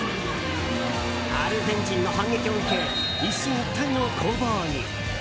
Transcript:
アルゼンチンの反撃を受け一進一退の攻防に。